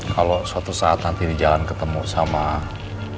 kalo suatu saat nanti di jalan ketemu sama jesse